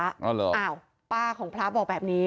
อ้าวป้าของพระบอกแบบนี้